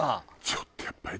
ちょっとやっぱり。